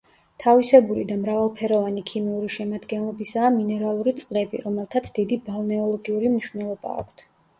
თავისებური და მრავალფეროვანი ქიმიური შედგენილობისაა მინერალური წყლები, რომელთაც დიდი ბალნეოლოგიური მნიშვნელობა აქვთ.